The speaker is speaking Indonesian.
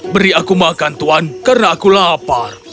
beri aku makan tuhan karena aku lapar